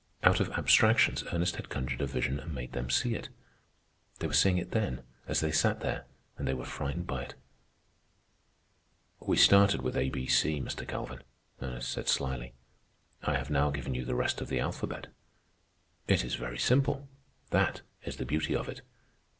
Out of abstractions Ernest had conjured a vision and made them see it. They were seeing it then, as they sat there, and they were frightened by it. "We started with A B C, Mr. Calvin," Ernest said slyly. "I have now given you the rest of the alphabet. It is very simple. That is the beauty of it.